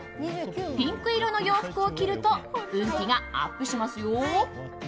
ピンク色の洋服を着ると運気がアップしますよ。